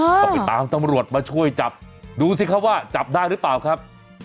ก็ไปตามตำรวจมาช่วยจับดูสิครับว่าจับได้หรือเปล่าครับ